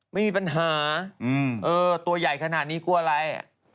ไม่มีปัญหาตัวใหญ่ขนาดนี้กลัวอะไร